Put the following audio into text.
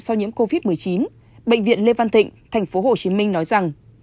sau nhiễm covid một mươi chín bệnh viện lê văn thịnh tp hcm nói rằng